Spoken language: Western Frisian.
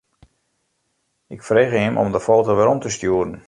Ik frege him om de foto werom te stjoeren.